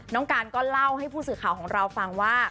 น้องการก็เล่าให้ผู้สื่อข่าวของเราฟังว่า